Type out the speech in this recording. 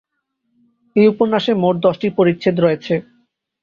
এই উপন্যাসে মোট দশটি পরিচ্ছেদ রয়েছে।